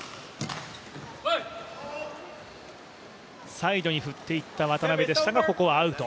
サイドに振っていった渡辺ですがここはアウト。